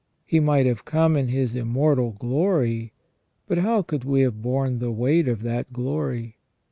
He might have come in His immortal glory, but how could we have borne the weight of that glory